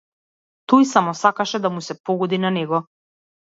Тој само сакаше да му се погоди на него.